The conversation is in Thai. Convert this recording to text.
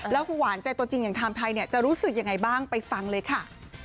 แล้วหวานใจตัวจริงอย่างไทม์ไทยเนี่ยจะรู้สึกยังไงบ้างไปฟังเลยค่ะ